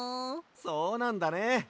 そうなんだね！